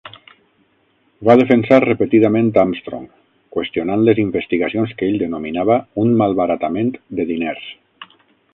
Va defensar repetidament Amstrong, qüestionant les investigacions que ell denominava "un malbaratament de diners".